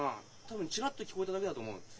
多分チラッと聞こえただけだと思う。